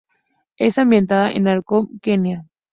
Es ambientada en Nairobi, Kenia.